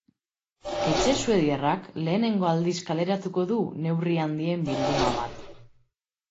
Etxe suediarrak lehenengo aldiz kaleratuko du neurri handien bilduma bat.